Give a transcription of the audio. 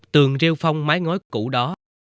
tường riêu phong mái ngói cũ đó